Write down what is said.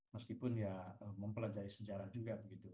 meskipun mempelajari sejarah juga